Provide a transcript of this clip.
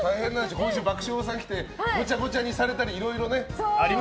今週、爆笑さんが来てごちゃごちゃにされたりいろいろね。